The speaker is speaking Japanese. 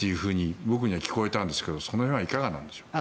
僕には聞こえたんですがその辺はいかがなんでしょうか？